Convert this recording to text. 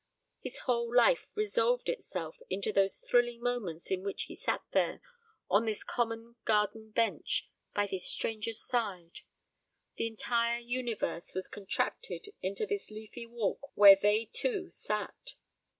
His whole life resolved itself into those thrilling moments in which he sat here, on this common garden bench, by this stranger's side; the entire universe was contracted into this leafy walk where they two sat.